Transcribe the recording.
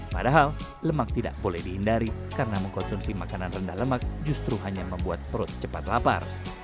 padahal lemak tidak boleh dihindari karena mengkonsumsi makanan rendah lemak justru hanya membuat perut cepat lapar